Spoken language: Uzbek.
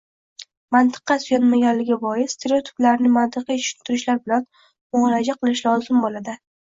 Mantiqqa suyanmaganligi bois stereotiplarni mantiqiy tushuntirishlar bilan muolaja qilish lozim bo‘ladi.